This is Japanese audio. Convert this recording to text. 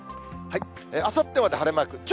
あさってまで晴れマーク。